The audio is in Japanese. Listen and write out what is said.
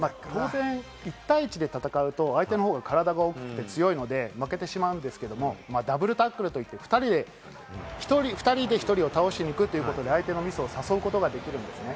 １対１で戦うと相手の方が体が大きくて強いので負けてしまうんですけれど、ダブルタックルといって、２人で１人を倒しに行くということで、相手のミスを誘うことができるんですね。